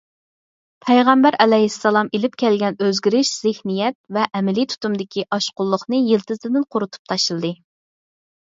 پەيغەمبەر ئەلەيھىسسالام ئېلىپ كەلگەن ئۆزگىرىش زېھنىيەت ۋە ئەمەلىي تۇتۇمدىكى ئاشقۇنلۇقنى يىلتىزىدىن قۇرۇتۇپ تاشلىدى.